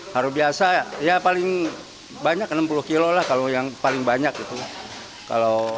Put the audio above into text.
hari biasa ya paling banyak enam puluh kilo lah kalau yang paling banyak gitu